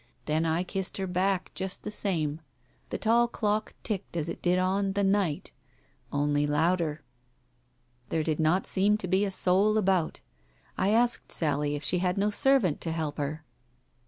Then I kissed her back just the same. The tall clock ticked as it did on The Night ... only louder. ... There did not seem to be a soul about. I asked Sally if she had no servant to help her.